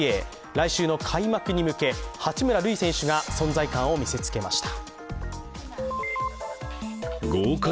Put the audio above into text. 来週の開幕に向け、八村塁選手が存在感を見せつけました。